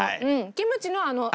キムチのあの液。